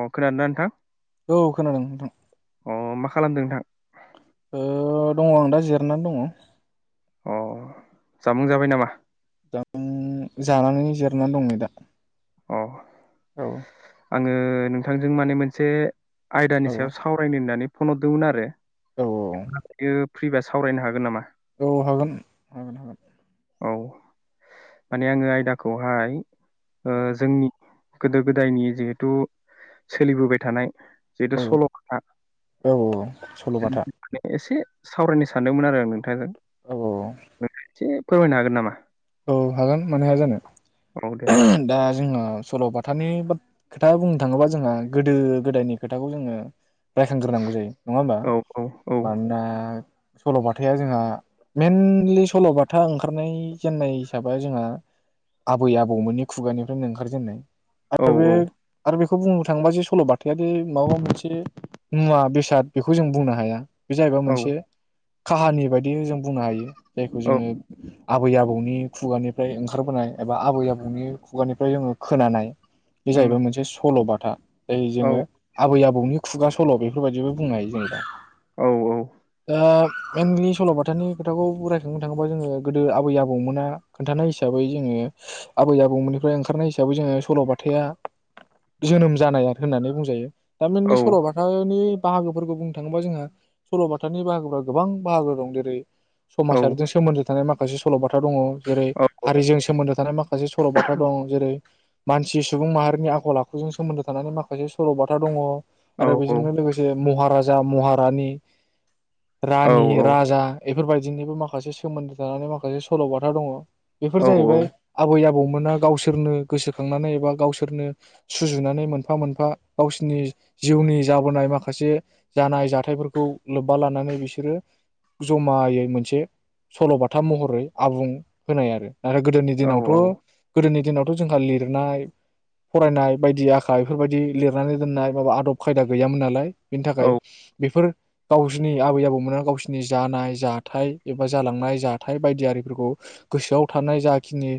अ खोनादोंना औ खोनादों नोंथां। अ मा खालामदों नोंथां। ओ दङ आं दा जिरायनानै दङ। अ जामुं जाबाय नामा। जामुं जानानै जिरायनानै दं नै दा। अ औ आङो। नोंथांजों माने मोनसे। औ आयदानि सायाव सावरायनो होननानै। फन हरदोंमोन आरो। औ [unintelligible] फ्रिबा सावरायनो हागोन नामा। औ हागोन हागोन हागोन। औ माने आङो आयदाखौहाय। ओ जोंनि। गोदो गोदायनि जिहेथु सोलिबोबाय थानाय। जिहेथु औ सलबाथा। औ सल'बाथा एसे सावरायनो सानदोंमोन आरो आं नोंथांजों। औ नोंथांजों ए फोरमायनो हागोन नामा। औ हागोन मानो हाया जानो औ दे दा जोंना। सलबाथानि बाथ खोथा बुंनो थाङोबा जोंहा गोदो गोदायनि खोथाखौ जोङो। रायखांगोरनांगौ जायो नङा होमबा औ औ मानोना सलबाथा जोंहा मेनलि सलबाथा ओंखारनाय जेननाय हिसाबै जोंहा आबै आबौमोननि खुगानिफ्रायनो ओंखार जेननाय औ आरो बे आरो बेख बेखौ बुंनो थाङोबा जे सलबाथायादे माबा मोनसे मुवा बेसाद बेखौ जों बुंनो हाया। बे जाहैबाय औ मोनसे खाहानि बायदि जों बुंनो हायो। जायखौ औ जोङो आबै आबौनि खुगानिफ्राय ओंखारबोनाय एबा आबै आबौनि खुगानिफ्राय जोङो खोनानाय बे उम जाहैबाय मोनसे सलबाथ था यै औ जोङो आबै आब बौनि खुगा सल बेफोरबायदिबो बुंनो हायो जों दा। औ औ दा मेनलि सलबाथानि खोथाखौ बरायखांनो थाङोबा जोङो गोदो आब आबै आबौमोना खोन्थानाय हिसाबै जोङो आबै आबौमोननिफ्राय ओंखारनाय हिसाबै जोङो सलबाथाया जोनोम जानाय होननानै बुंजायो। थारमाने औ सलबाथानि बाहागोफोरखौ बुंनो थाङोबा जोंहा सलबाथनि बाहागोफोरा गोबां बाहागो दं जेरै समाज हानजा औ सोमोन्दो थानाय माखासे सु सलबाथा दङ जेरै औ हारिजों सोमोन्दो थानाय माखासे सलबाथा दं जेरै मानसि सुबुं माहारिनि आखल आखुजों सोमोन्दो थानानै माखासे सलबाथा दङ। औ आरो औ बेजोंनो लोगोसे महाराजा महारानि औ रानि राजा बेफोरबायदिनिबो माखासे सोमोन्दो थानानै माख मोनसे सल बाथा दङ। औ बेफोर जाहैबाय आबै आबौ बौमोना गावसोरनो गोसोखांनानै एबा गावसोरनो सुजुनानै मोनफा मोनफा गावसोरनि जिउनि जाबोनाय माखासे जानाय जाथायफोरखौ लोब्बा लानानै बिसोरो जमायै मोनसे सलबाथा महर रै आबुं होनाय आरो। आरो गोदोनि औ दिनावथ गोदोनि दिनाव जोंहा लिरनाय फरायनाय बायदि आखा बेफोरबायदि लिरनानै दोननाय माबा आदब खायदा गैयामोन नालाय बेनि थाखाय बेफोर गावसिनि आबै आबौमोना गावसिनि जानाय जाथाय एबा जालांनाय जाथा थाय बायदि आरिफोरखौ गोसोआव थानाय जाखिनि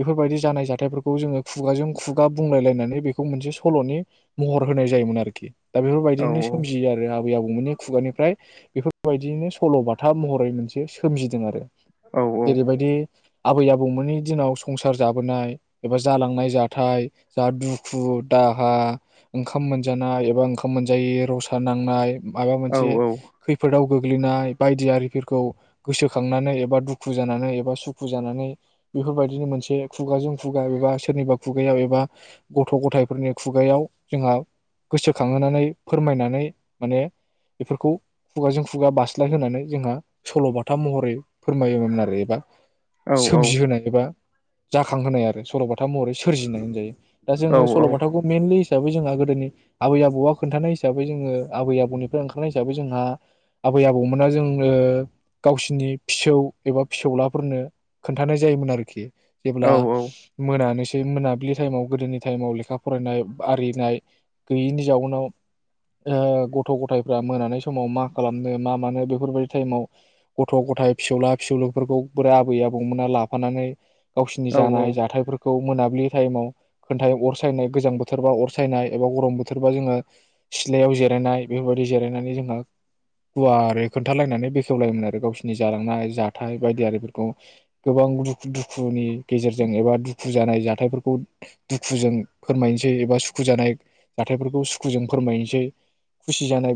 बेफोरबायदि जानाय जाथायाइफोरखौ जोङो खुगाजों खुगा बुंलायलायनानै बेखौ मोनसे सलनि महर होनाय जायोमोन आरोखि। दा औ बेफोरबायदिनो सोमजियो आरो आबै आबौमोननि। खुगानिफ्राय बेफोरबायदियैनो सल' बाथा महरै मोनसे सोमजिदों आरो। औ जेरैबायदि आबै आब बौमोननि दिनाव संसार जाबोनाय एबा जालांनाय जाथाय जा दुखु दाहा ओंखाम मोनजानाय एबा ओंखाम मोनजायै रसा नांनाय। माबा औ मोनसे खैफोदाव। गोग्लैनाय बायदि आरिफोरखौ गोसोखांनानै एबा। दुखु जानानै एबा सुखु जानानै बेफोरबायदिनो मोनसे खुगाजों खुगा एबा सोरनिबा खुगायाव एबा गथ' ग'थायफोरनि खुगायाव जोंहा गोसोखांहोनानै फोरमायनानै माने बेफोरखौ खुगाजों खुगा बास्लायहोनानै जोंहा सल' बाथा महरै। फोरमायोमोन आरो एबा। औ सोमजिहोनाय एबा। जाखांहोनाय आरो सल'बाथा महरै सोरजिनाय होनजायो। दा जोङो सल'बाथाखौ मेनलि। हिसाबै जोंहा गोदोनि आबै आबौआ खोन्थानाय हिसाबै जोङो आबै आबौनिफ्राय ओंखारनाय हिसाबै जोंहा आबै आबौमोना जों गावसिनि। फिसौ एबा फिसौलाफोरनो खोन्थानाय जायोमोन आरोखि। औ जेब्ला मोनानोसै। ज मोनाबिलि टाइमाव गोदोनि टाइमाव लेखा फरायनाय आरिनाय गैयिनि जाउनाव गथ' ग'थाइफ्रा मोननाय समाव मा खालामनो मा मानो बेफोरबायदि टाइमाव गथ ग'थाइ। फिसौला फिसौलुफोरखौ बोरै आबै आबौमोना लाफानानै। गावसिनि जानाय औ जाथायफोरखौ। खौ मोनाबिलि टाइमाव खथाय अर सायनाय गोजां बोथोरबा अर सायनाय एबा गरम बोथोरबा जोङो सिथलायाव जिरायनाय बेफोरबायदि जिरायनानै जोंहा गुवारै खोन्थालायनानै बेखेवलायोमोन आरो गावसिनि। जालांनाय जाथाय बायदिफोरखौ गोबां दुखुनि गेजेरजों एबा दुखु जानाय जाथायफोरखौ दुखुजों फोरमायनोसै एबा सुखु जानाय जाथायफोरखौ सुखुजों फोरमायनोसै खुसि जानाय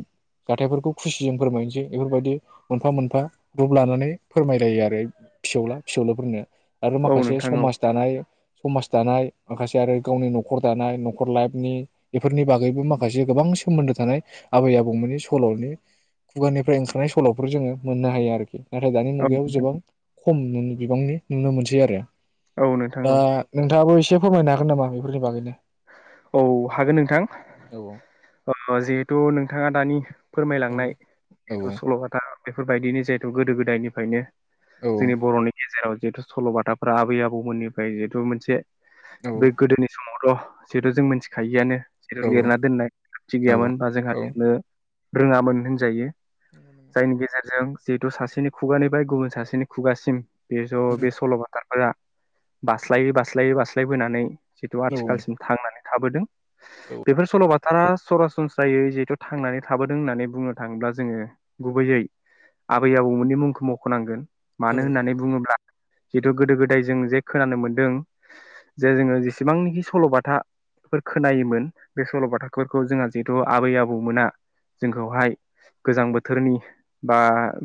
जाथायफोरखौ खुसिजों फोरमायनोसै बेफोरबायदि मोनफा मोनफा। ग्रुप लानानै फोरमायलायो आरो फिसौला फिजोफोरनो। आरो औ माखासे नोंथां समाज दानाय। समाज दानाय माखासे आरो गावनि न'खर दानाय न'खर लाइफनि बेफोरनि बागैबो माखासे गोबां सोमोन्दो थानाय आबै आबौमोननि सल'नि खुगानिफ्राय ओंखारनाय सल'फोर जोङो मोननो हायो आरोखि। नाथाय दानि औ मुगायाव गोबां। खम बिबांनि नुनो मोनसै आरो। औ नोंथां ओ औ नोंथाङाबो एसे। फोरमायनो हागोन नामा बेफोरनि बागैनो? औ हागोन नोंथां औ जिहेथु नोंथां। नोंथाङा दानि। औ फोरमायलांनाय औ जिथु सल'बाथा बेफोरबायदिनो जिहेथु गोदो गोदायनिफ्रायनो औ जोंनि बर'नि गेजेराव। जिहेतु सल'बाथाफोरा आबै आबौमोननिफ्राय जिहेतु मोनसे। औ बे गोदोनि समावथ'। जेहथु जों मिथिखायिआनो जेरै औ लिरना दोननाय खानथि औ गैयामोन होनबा औ जोंहानो। रोङामोन होनजायो। जायनि गेजेरजों। जिहेथु सासेनि खुगानि फ्राय गुबुन सासेनि खुगासिम। बे ज बे सलबाथा। बास्लायै बास्लायै बास्लायबोनानै। जिथु आथिखालसिम। थांनानै थाबोदों। बेफोर सल बाथा। थारा सरासनस्रायै जिथु थांनानै थाबोदों होननानै बुंनो थाङोब्ला जोङो गुबैयै आबै आबौमोननि मुंखौ मखनांगोन। मानो होननानै बुङोब्ला जिथु गोदो गोदाय जों जे खोनानो मोनदों जे जोङो जेसेबांनाखि सलबाथ थाफोर खोनायोमोन बे सल बाथाफोरखौ जोंहा जिहेथु आबै आबौमोना जोंखौहाय गोजां बोथोरनि बा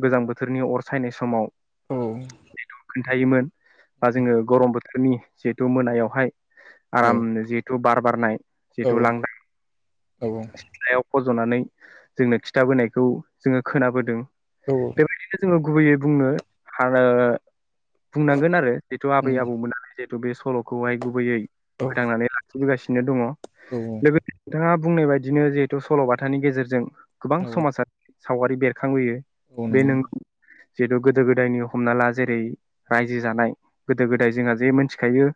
गोजां बोथोरनि अर सायनाय समाव औ खोन्थायोमोन बा जोङो गरम बोथ जोंनि जेतु मोनायावहाय आरामनो रप बार बार नाय जिथु लांदां सिथ्लायाव फजनानै जोंनो खिथाबोनायखौ जोङो खोनाबोदों औ। बेबायदिनो जोङो गुबैयै बुंनो हारो बुंनांगोन आरो जिथु आबै आबौमोननानै जे फो बे सलखौहाय गुबैयै फैथांनानै ला सफैगासिनो दङ। लोगोत नोंहा बुंनाय बायदिनो जिहेथु सलबाथानि गेजेरजों गोबां समासात सावगारि बेर खांबोयो बे नंगौ नों जेथु गोदो गोदायनि हमना ला जेरै रायजो जानाय गोदो औ गोदाय जोंहा जे मोनस खायो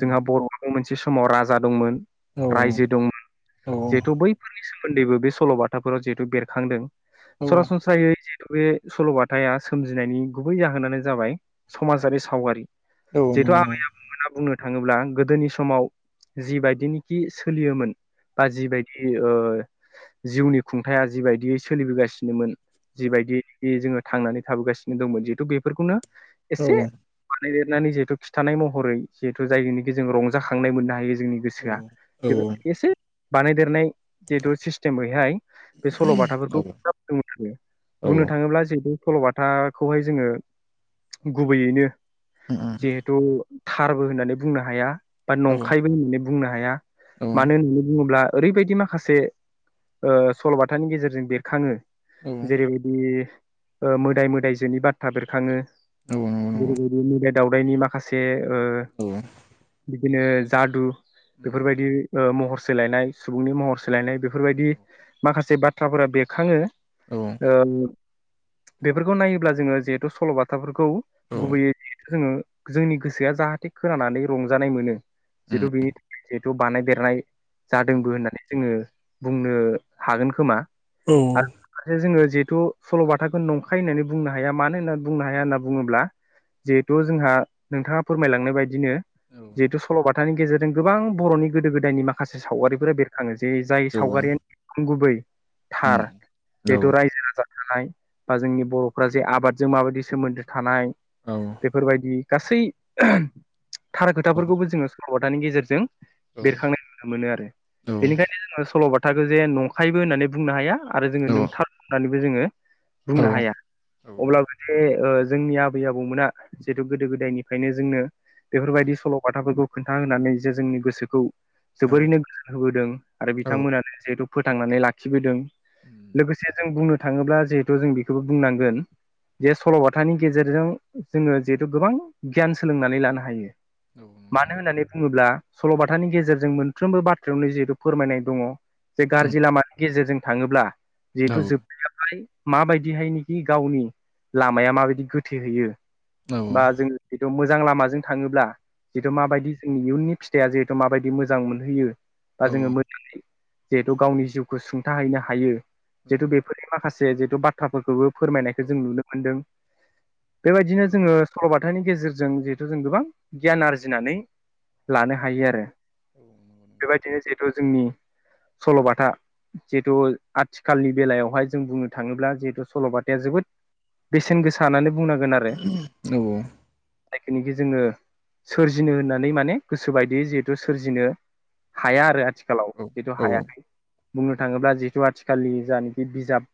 जोंहा बरखौ मोन जिसमाव राज जादंमोन औ नंगौ रायजो दंमोन नंगौ जिहेथु बैफोरनि सोम फोन्दैबो बे सलबाथाफोराव जिहेतु बेरखांदों सरासनस्रायै जि बे सलबाथाआ सोमजिनायनि गुबै जाहोनानो जाबाय समाजारि सावगारि औ न जिहेथु न आबेना बुंनो थाङोब्ला गोदोनि समाव जिबायदिनोखि सोलियोमोन बा जिबायदि ओ जिउनि खुंथाया जिबायदियै सोलिबोगासिनोमोन जि बायदिनिखि जोङो थांनानै थाबोगासिनो दंमोन जिहेतु बेफोरखौनो औ एसे लिरनानै जिहेथु खिथानाय महरै जिहेथु जायजोंनिखि जोङो रंजाखांनाय मोननाय जोंनि गोसोआ औ बेफोर एसे बानायदेरनाय जिहेथु सिस्टेम बैहाय बे सलबाथाफोरखौ औ खोब बुंनो थाङो औ नंगौ औ बुंनो थाङोब्ला जिहेथु सलबाथाखौहाय जोङो गुबैयैनो जिहेथु थारबो होननानै बुंनो हाया नंखायबो होननानै बुंनो हाया मानो होननानै बुङोब्ला ओरैबायदि माखासे सलबाथानि गेजेरजों बेरखाङो जेरैबायदि ओ मोदाइ मोदाइजोनि बाथ्रा बेरखाङो जेरैबादि मोदाइ दावदाइनि माखासे ओ बि बिदिनो जादु बेफोरबायदि ओ महर सोलायनाय सुबुंनि महर सोलायनाय बेफोरबायदि माखासे बाथ्राफोरा बेरखाङो। ओ बेफोरखौ नायोब्ला जोङो जिहेथु सलबाथाफोर खौ गुबैयै जिहेथु जोङो जोंनि गोसोआ जाहाथे खोनानानै रंजानाय मोनो बेव बानायदेरनाय जादोंबो होननानै जोङो बुंनो हागोन खोमा आरो जोङो जिहे जोंथ सलबाथाखौ नंखाय होननानै बुंनो हाया मानो होनना बुंनो हाया होनना बुङोब्ला जिहेथु जोंहा नोंथाङा फोरमायलांनाय बायदिनो जिहेथु सलबाथिनि गेजेरजों गोबां बरनि गोदो गोदायनि माखासे सावगारिफोरा बेरखाङो जे जाय सावगारियाानो गुबै थार जिहेथु रायजो राजा थानाय बा जोंनि बरफ्रा जे आबादजों माबायदि सोमोन्दो थानाय बेफोरबायदि गासै थार खोथाफोरखौबो सलबाथानि गेजेरजों बेरखांनाय नुनो मोनो आरो बेनिखायनो जोंङो सलबा थाखौ जे नंखायबो होननानै बुंनो हाया आरो जोङो नोंथां होननानै बो जोङो बुंनो हाया अब्लाबो जे ओ जोंनि आबै आबौमोना जिहेथु गोदो गोदायनिफ्रायनो जोंनो बेफोरबायदि सल बाथाफोरखौ खोन्था होनानै जे जोंनि गोसोखौ जोबोरैनो गोजोन होबोदों आरो बिथांमोनानो जिहेथु फोथांनानै लाखिबोदों। लोगोसे जों बुंनो थाङोब्ला जिहेथु जों बेखौबो बुंनांगोन जे सलबाथानि गेजेरजों जोङो जिहेथु गोबां गियान सोलोंनानै लानो हायो। औ मानो होननानै बुङोब्ला सलबाथानि गेजेरजों मोनफ्रोमबो बाथ्रायावनो जिहेथु फोरमायनाय दङ। जे गाज्रि लामा गेजेरजों थाङोब्ला जिहेथु जोबनायालाय माबायदिहाय गावनि लामाया माबायदि गोथैहैयो बा जोङो जिथ मो जां लामाजों थाङोब्ला जिथु माबायदि जोंनि इउननि फिथाइआ जिहेथु माबायदि मोजां मोनहोयो। बा जोङो मोजाङै जिहेथु गावनि जिउखौ सुंथाहैनो हायो। जिहेतु बेफोरनि माखासे जे जिथु बाथ्राफोरखौबो फोरमायनायखौ जों नुनो मोन्दों। बेबायदिनो जोङो सल'बा थानि गेजेरजों जिहेथु जों गोबां गियान आरजिनानै लानो हायो आरो बेबायदिनो जिहेथु जोंनि सल'बाथा जिहेथु आथिखालनि बेलायावहाय जों बुंनो थाङोब्ला जिहेथु सल'बाथाया जोबोद बेसेन गोसा आनानै बुंनांगोन आरो जायखिनिखि जोङो सोरजिनो होननानै माने गोसोबायदियै जिहेथु सोरजिनो हाया आरो आथिखालाव जिथु हायाखै बुंनो थाङोब्ला जिहेथु आथि खालि जानाखि बिजाब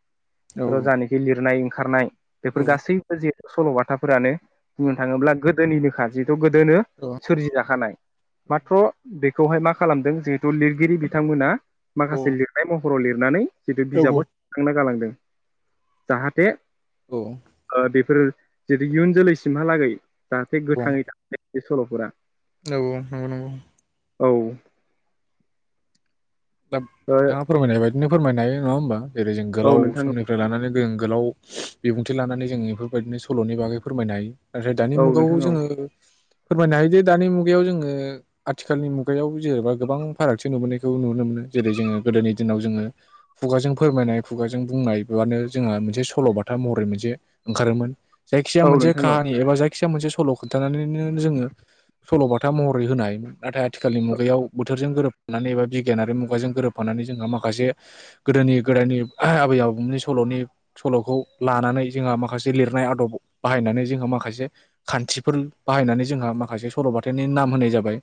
फ्राय जानाखि लिरनाय खारनाय बेफोर गासैबो जे सल'बाथाफोरानो बुंनो थाङोब्ला गोद दोनिनोखा जि द गोदनो औ सोरजिजाखानाय औ माथ्र' बे खौहाय मा खालामदों जिहेथु लिरगिरि बिथांमोना माखासे औ लिरनाय महराव लिर नानै जिथु औ बिजाबाव थिखांना गालांदों जाहाथे औ ओ बेफोर जितु इयुन जोलैसिमहालागै जाहाथे गोथाङै दा [unintelligible] सल'फोरा नगौ नंगौ नंगौ । औ । दा नोंथाङा फोरमायनाय बायदिनो फोरमायनाय नङा होमबा? जेरै जों औ गोलाव नोंथां समनिफ्राय लानानै गोलाव बिबुंथि लानानै जों बेफोरबायदिनो स'लनि बागै फोरमायनो हायो नाफ्राय दानि औ मुगाव नोंथां औ जोङो फोरमायनो हायोदि दानि मुगायाव जोङो आथिखालनि मुगायाव जेनेबा गोबां फारागथि नुबोनायखौ नुनो मोनो जेरै जोङो गोदोनि दिनाव जोङो खुगाजों फोरमायनाय खुगाजों बुंनाय बेनो जोंहा मोनसे सलबाथा महरै मोनसे ओंखारोमोन जायखिजाया औ मोनसे नोंथां औ खाहानि एबा जायखिजाया मोनसे स स'ल खोन्थानानैनो जोङो सलबाथा महर होन हाय नाथाय आथिखालाव बोथोरजों गोरोब नानै एबा बिगियारि मुं खुगाजों गोरोबफानानै जोंहा माखासे गोदोनि गोदायनि आबै आबौनि स'लनि स'लखौ लानानै जोंहा माखासे लिरनाय आदब बाहायनानै जोंहा माखासे खान्थिफोर बाहायनानै जोंहा माखासे स'लबाथनि नाम होनाय जाबाय।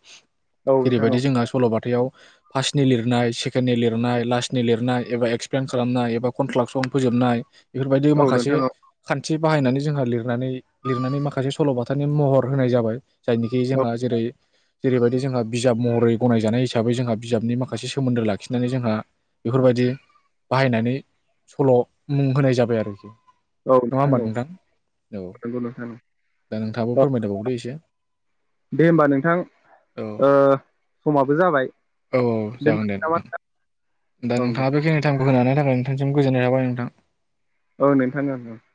औ नोंथां जेरैबायदि औ जोंहा स'लबथायाव फासनि लिर नाय सेकेडनि लिरनाय लास्टनि लिरनाय एबा एक्सप्लेन खालामनाय एबा कन्ट्राक्सन फोजोबनाय बेफोरबायदि औ माखासे नोंथां औ खान्थि थि बाहायनानै जोंहा लिरनानै लिरनानै माखासे सलबाथानि महर होनाय जाबाय । जायनिखि जोंहा जेरै जेरैबायदि जोंहा बिजाब महरै गनायजानाय हिसाबै जोंहा बिजाबनि माखासे मासि सोमोन्दो लाखिनानै जोंहा बेफोरबायदि बाहायनानै सल मुं होनाय जाबाय आरो औ नोंथां औ नगौ नोंथां दा नोंथाङाबो औ फोरमायदाबावदो एसे दे होमबा नोंथां औ समाबो जाबाय औ । जागोन दे नोंथां । दा दे नोंथाङा बेखनि थाइम बोखोनो होनायनि थाखाय नोंथांसिम गोजोननाय थाबाय नोंथां । औ नोंथाङा ओं ओं ।